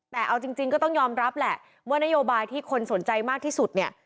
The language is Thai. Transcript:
แต่เอาจริงก็ต้องยอมรับแหละว่านโยบายที่คนสนใจมากที่สุดเนี่ย